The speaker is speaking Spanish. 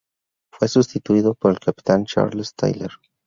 Fue sustituido por el capitán Charles Tyler.